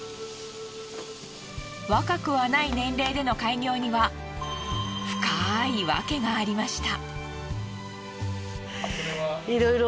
若くはない年齢での開業には深い訳がありました。